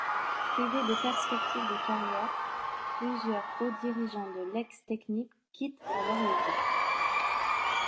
Privés de perspectives de carrière, plusieurs hauts dirigeants de l'ex-Technip quittent alors le groupe.